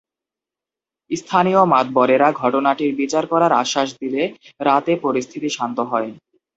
স্থানীয় মাতবরেরা ঘটনাটির বিচার করার আশ্বাস দিলে রাতে পরিস্থিতি শান্ত হয়।